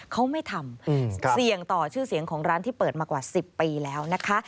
เขาไม่ทำเสี่ยงต่อชื่อเสียงของร้านที่เปิดมากว่า๑๐ปีแล้วนะคะ